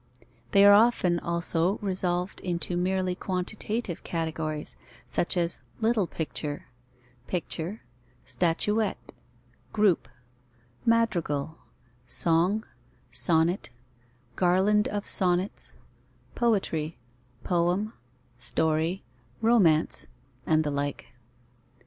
They are often also resolved into merely quantitative categories, such as little picture, picture, statuette, group, madrigal, song, sonnet, garland of sonnets, poetry, poem, story, romance, and the like.